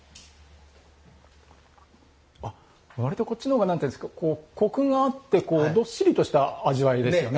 あっ、割と、こっちのほうが何というんですかコクがあってどっしりとした味わいですね。